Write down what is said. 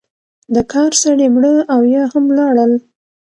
د کار سړی مړه او یا هم ولاړل.